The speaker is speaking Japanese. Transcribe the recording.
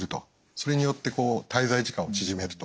それによって滞在時間を縮めると。